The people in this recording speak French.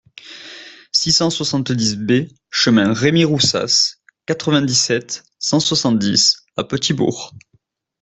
six cent soixante-dix B chemin Remy Roussas, quatre-vingt-dix-sept, cent soixante-dix à Petit-Bourg